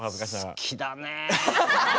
好きだねえ。